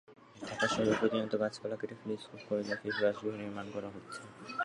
ঢাকা শহরে প্রতিনিয়ত গাছপালা কেটে ফেলে স্কুল, কলেজ, অফিস, বাসগৃহ নির্মাণ করা হচ্ছে।